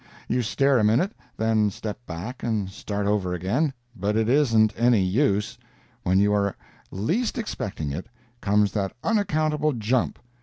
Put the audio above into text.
You stare a minute, and then step back and start over again—but it isn't any use—when you are least expecting it, comes that unaccountable jump.